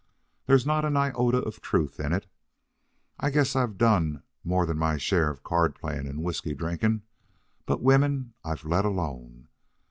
There's not an iota of truth in it. I guess I've done more than my share of card playing and whiskey drinking, but women I've let alone.